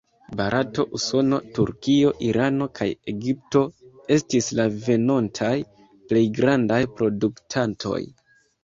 Barato, Usono, Turkio, Irano kaj Egipto estis la venontaj plej grandaj produktantoj.